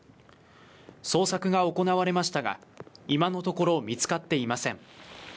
捜索が行われましたが今のところ見つかっていません。